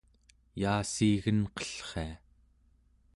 yaassiigenqellria